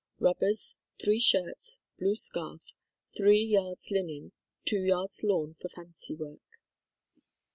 Rubbers, three shirts, blue scarf, three yards linen, two yards lawn for fancy work.